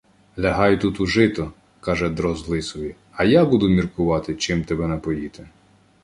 - Лягай тут у жито, - каже Дрозд Лисові, -- а я буду міркувати, чим тебе напоїти.